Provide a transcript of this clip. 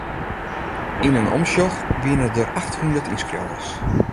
Yn in omsjoch wiene der achthûndert ynskriuwers.